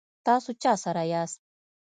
تاسو چا سره یاست؟